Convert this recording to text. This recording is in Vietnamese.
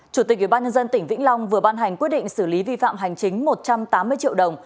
chủ tịch ủy ban nhân dân tỉnh vĩnh long vừa ban hành quyết định xử lý vi phạm hành chính một trăm tám mươi triệu đồng